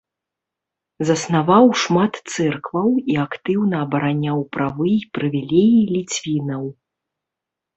Заснаваў шмат цэркваў і актыўна абараняў правы і прывілеі літвінаў.